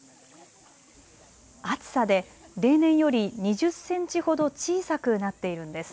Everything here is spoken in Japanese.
暑さで例年より２０センチほど小さくなっているんです。